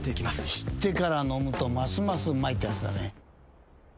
知ってから飲むとますますうまいってやつだね。